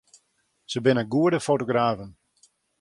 Sy binne goede fotografen.